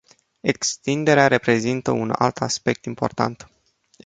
Extinderea reprezintă un alt aspect important.